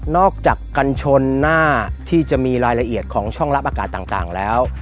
อกจากกันชนหน้าที่จะมีรายละเอียดของช่องรับอากาศต่างแล้ว